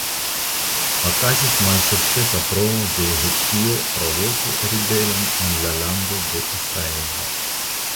Okazis malsukcesa provo de Egiptio provoki ribelon en la Lando de Israelo.